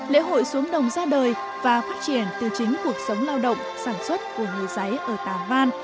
lễ hội xuống đồng ra đời và phát triển từ chính cuộc sống lao động sản xuất của người giấy ở tà văn